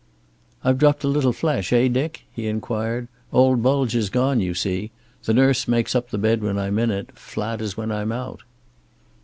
"I've dropped a little flesh, eh, Dick?" he inquired. "Old bulge is gone, you see. The nurse makes up the bed when I'm in it, flat as when I'm out."